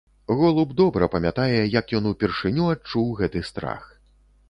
Голуб добра памятае, як ён упершыню адчуў гэты страх.